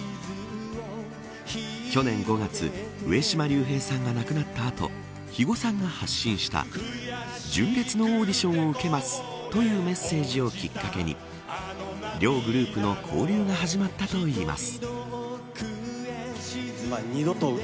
去年５月上島竜兵さんが亡くなったあと肥後さんが発信した純烈のオーディションを受けますというメッセージをきっかけに両グループの交流が始まったといいます。